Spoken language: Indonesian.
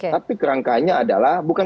tapi kerangkanya adalah bukan